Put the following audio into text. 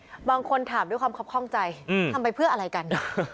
บางคนถามด้วยความคับข้องใจทำไปเพื่ออะไรกัน